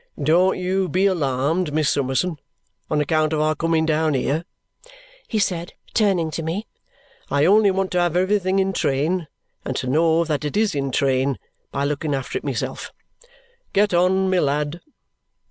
"Don't you be alarmed, Miss Summerson, on account of our coming down here," he said, turning to me. "I only want to have everything in train and to know that it is in train by looking after it myself. Get on, my lad!"